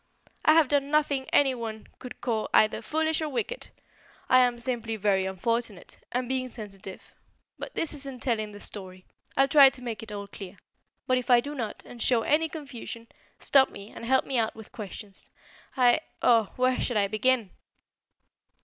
"I have done nothing anyone could call either foolish or wicked. I am simply very unfortunate, and being sensitive But this isn't telling the story. I'll try to make it all clear; but if I do not, and show any confusion, stop me and help me out with questions. I I oh, where shall I begin?"